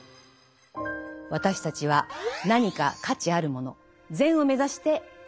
私たちは何か価値あるもの「善」を目指して行動している。